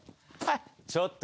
ちょっと。